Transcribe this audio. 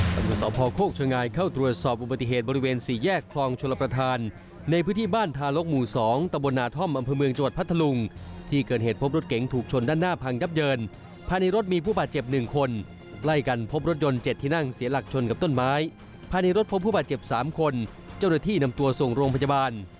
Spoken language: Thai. บรรยาศาสตร์พ่อโค้กชะงายเข้าตรวจสอบอุบัติเหตุบริเวณสี่แยกคลองชลประธานในพื้นที่บ้านทารกหมู่สองตะบนหนาท่อมอำเภอเมืองจัวร์พัทธลุงที่เกิดเหตุพบรถเก๋งถูกชนด้านหน้าพังดับเดินภายในรถมีผู้ป่าเจ็บหนึ่งคนไล่กันพบรถยนต์เจ็ดที่นั่งเสียหลักชนกับต้นไม้ภายในรถพบ